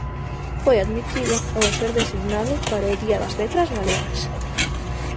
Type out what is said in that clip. Foi admitido ao ser designado para o Día das Letras Galegas.